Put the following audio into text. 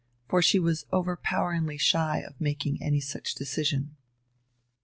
For she was overpoweringly shy of making any such decision.